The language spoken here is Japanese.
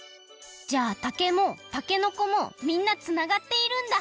じゃあ竹もたけのこもみんなつながっているんだ！